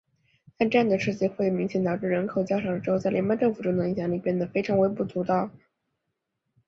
但这样的设计会明显导致人口较少的州在联邦政府中的影响力变得非常微不足道。